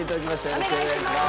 よろしくお願いします。